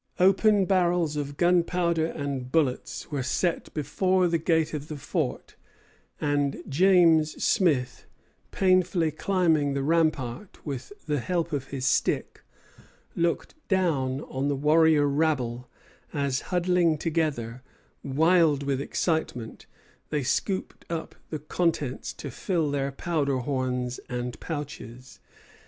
Open barrels of gunpowder and bullets were set before the gate of the fort, and James Smith, painfully climbing the rampart with the help of his stick, looked down on the warrior rabble as, huddling together, wild with excitement, they scooped up the contents to fill their powder horns and pouches.